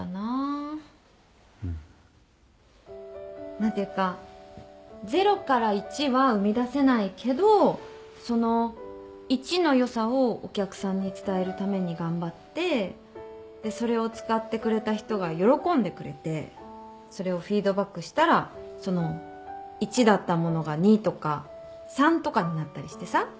何ていうか０から１は生み出せないけどその１の良さをお客さんに伝えるために頑張ってでそれを使ってくれた人が喜んでくれてそれをフィードバックしたらその１だったものが２とか３とかになったりしてさ。